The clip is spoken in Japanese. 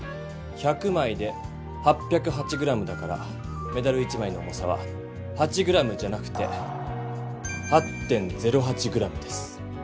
１００枚で８０８ｇだからメダル１枚の重さは８ｇじゃなくて８．０８ｇです。